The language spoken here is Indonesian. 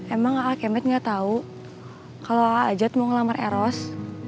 emang a a kemet nggak tahu kalau a a ajat mau ngelamar eros